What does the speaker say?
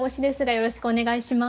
よろしくお願いします。